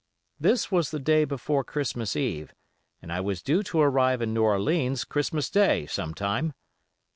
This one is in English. This was the day before Christmas eve and I was due to arrive in New Orleans Christmas day, some time.